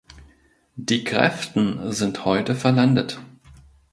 Die Gräften sind heute verlandet.